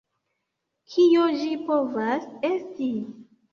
Kio ĝi povas esti?